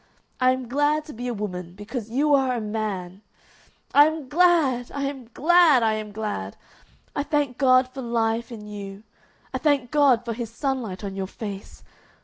I am glad to be a woman because you are a man! I am glad! I am glad! I am glad! I thank God for life and you. I thank God for His sunlight on your face.